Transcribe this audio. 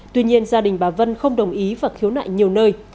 tuy nhiên gia đình bà vân không đồng ý và khiếu nại nhiều nơi